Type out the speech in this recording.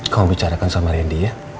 kamu bicarakan sama randy ya